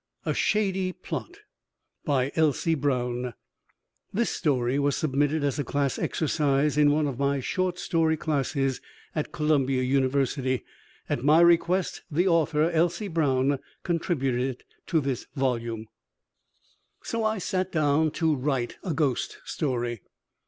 A SHADY PLOT BY ELSIE BROWN This story was submitted as a class exercise in one of my short story classes at Columbia University. At my request the author, Elsie Brown, contributed it to this volume. A Shady Plot BY ELSIE BROWN So I sat down to write a ghost story.